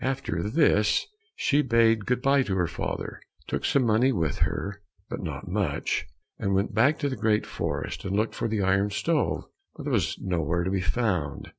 After this she bade good bye to her father, took some money with her, but not much, and went back to the great forest, and looked for the iron stove, but it was nowhere to be found.